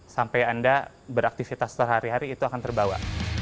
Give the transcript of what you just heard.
sampai anda beraktifitas setelah hari hari itu akan terbawa